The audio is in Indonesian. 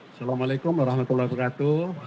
assalamu'alaikum warahmatullahi wabarakatuh